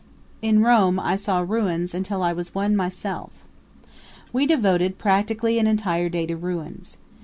In Rome I saw ruins until I was one myself. We devoted practically an entire day to ruins.